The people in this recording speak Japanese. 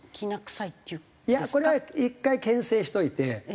いやこれは１回けん制しといて。